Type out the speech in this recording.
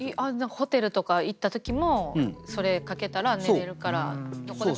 ホテルとか行った時もそれかけたら寝れるからどこでも寝れるみたいな。